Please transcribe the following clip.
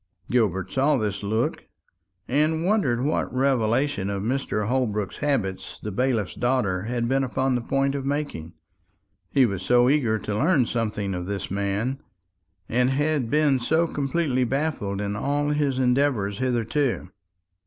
Gilbert saw this look, and wondered what revelation of Mr. Holbrook's habits the bailiff's daughter had been upon the point of making; he was so eager to learn something of this man, and had been so completely baffled in all his endeavours hitherto.